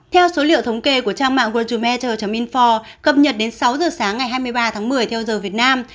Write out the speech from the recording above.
theo số liệu thống kê của trang mạng world hai meter info cập nhật đến sáu giờ sáng ngày hai mươi ba tháng một mươi theo giờ việt nam